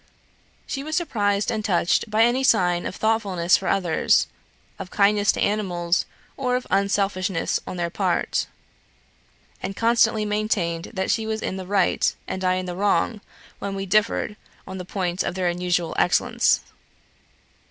She was surprised and touched by any sign of thoughtfulness for others, of kindness to animals, or of unselfishness on their part: and constantly maintained that she was in the right, and I in the wrong, when we differed on the point of their unusual excellence.